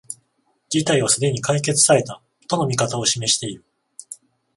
事態はすでに解決された、との見方を示している